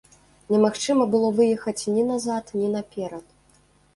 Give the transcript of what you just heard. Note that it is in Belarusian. Немагчыма было выехаць ні назад, ні наперад.